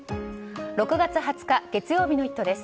６月２０日月曜日の「イット！」です。